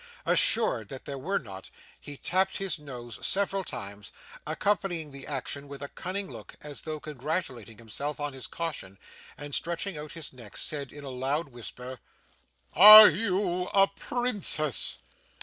Assured that there were not, he tapped his nose several times, accompanying the action with a cunning look, as though congratulating himself on his caution; and stretching out his neck, said in a loud whisper, 'Are you a princess?